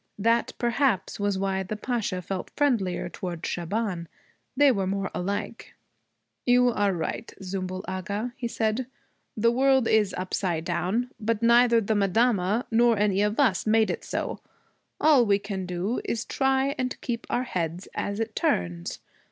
That perhaps was why the Pasha felt friendlier toward Shaban. They were more alike. 'You are right, Zümbül Agha,' he said, 'the world is upside down. But neither the madama nor any of us made it so. All we can do is try and keep our heads as it turns.